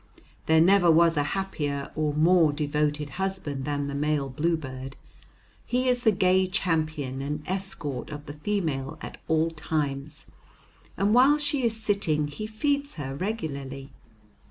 There never was a happier or more devoted husband than the male bluebird. He is the gay champion and escort of the female at all times, and while she is sitting he feeds her regularly.